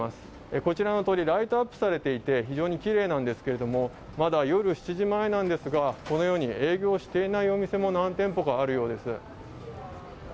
こちらの通りライトアップされていて非常に綺麗なんですけれどもまだ夜７時前なんですが、このように営業していないお店も何店舗かあるようです。